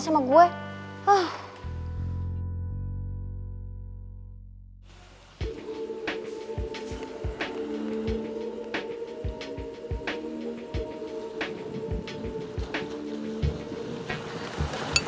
sampai jumpa lagi